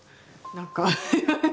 何か。